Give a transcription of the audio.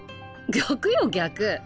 逆よ逆。